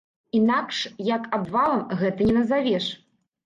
Інакш як абвалам, гэта не назавеш.